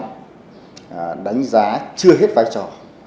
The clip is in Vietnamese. chúng ta đã đánh giá đánh giá chưa hết vai trò